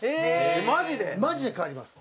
マジで変わります！